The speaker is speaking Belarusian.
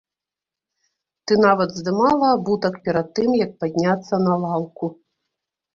Ты нават здымала абутак перад тым, як падняцца на лаўку.